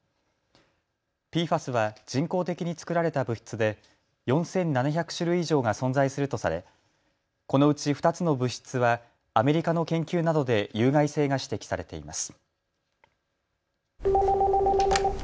ＰＦＡＳは人工的に作られた物質で４７００種類以上が存在するとされ、このうち２つの物質はアメリカの研究などで有害性が指摘されています。